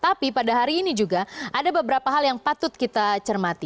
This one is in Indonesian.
tapi pada hari ini juga ada beberapa hal yang patut kita cermati